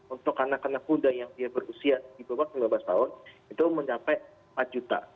untuk anak anak muda yang dia berusia di bawah sembilan belas tahun itu mencapai empat juta